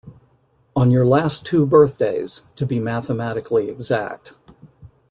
On your last two birthdays, to be mathematically exact.